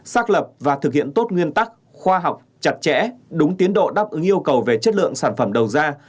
xác lập và thực hiện tốt nguyên tắc khoa học chặt chẽ đúng tiến độ đáp ứng yêu cầu về chất lượng sản phẩm đầu ra